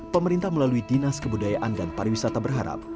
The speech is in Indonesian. pemerintah melalui dinas kebudayaan dan pariwisata berharap